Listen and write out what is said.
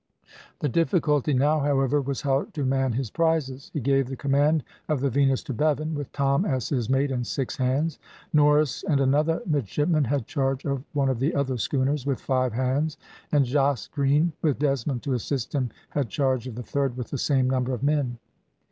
The difficulty now, however, was how to man his prizes. He gave the command of the Venus to Bevan, with Tom as his mate, and six hands. Norris, and another midshipman, had charge of one of the other schooners, with five hands; and Jos Green, with Desmond to assist him, had charge of the third, with the same number of men.